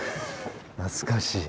懐かしい。